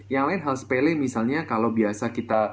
yang lain hal sepele misalnya kalau biasa kita